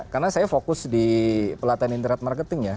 karena saya fokus di pelatihan internet marketing ya